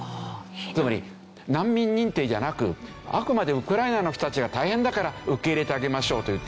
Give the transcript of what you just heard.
つまり難民認定じゃなくあくまでウクライナの人たちが大変だから受け入れてあげましょうと言って。